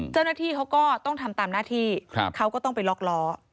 เจ้าหน้าที่เขาก็ต้องทำตามหน้าที่เขาก็ต้องไปล็อกล้อ